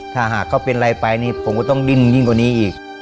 ถ้าเกิดจะเป็นอะไรไปผมก็ต้องดินยิ่งกว่านี้อีก